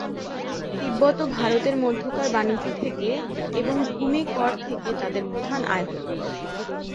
তিব্বত ও ভারতের মধ্যকার বাণিজ্য থেকে এবং ভূমি কর থেকে তাদের প্রধান আয় হতো।